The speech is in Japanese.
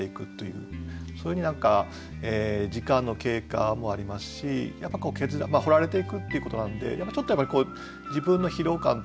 そういうふうに何か時間の経過もありますしやっぱ掘られていくっていうことなのでちょっとやっぱり自分の疲労感とかもね